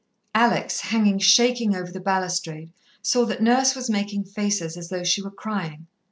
Alex, hanging shaking over the balustrade, saw that Nurse was making faces as though she were crying.